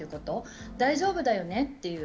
大丈夫だよねっていう。